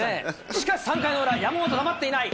しかし、３回の裏、山本、黙っていない。